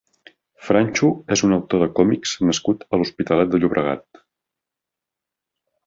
Franchu és un autor de còmics nascut a l'Hospitalet de Llobregat.